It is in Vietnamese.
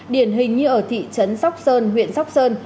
điển hình như ở thị trấn sóc sơn huyện sóc sơn